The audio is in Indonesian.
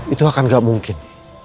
itu akan gak mungkin